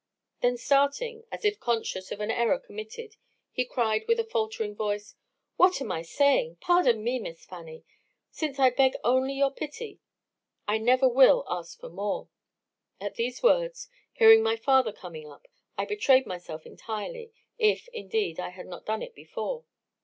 Then starting, as if conscious of an error committed, he cried with a faltering voice, 'What am I saying? Pardon me, Miss Fanny; since I beg only your pity, I never will ask for more. ' At these words, hearing my father coming up, I betrayed myself entirely, if, indeed, I had not done it before.